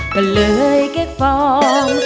ไปเลยเก๊กฟอง